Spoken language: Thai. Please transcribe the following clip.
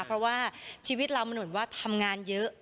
เพราะว่าชีวิตเรามันเหมือนว่าทำงานเยอะ